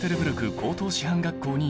高等師範学校に入学。